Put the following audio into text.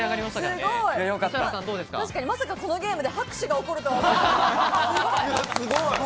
まさかこのゲームで拍手が起こるとは。